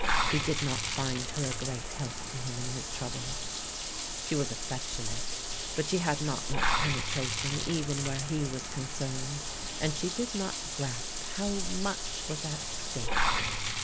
He did not find her a great help to him in his trouble. She was affectionate, but she had AN UPSET PRICE 271 not much penetration even where he was concerned, and she did not grasp how much was at stake.